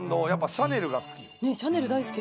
シャネル好きね。